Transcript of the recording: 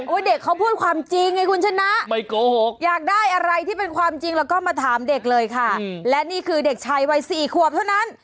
เด็กเขาพูดความจริงไงคุณชนะไม่โกหกอยากได้อะไรที่เป็นความจริงแล้วก็มาถามเด็กเลยค่ะและนี่คือเด็กชายวัยสี่ขวบเท่านั้น